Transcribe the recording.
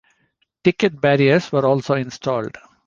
Ticket barriers were also installed.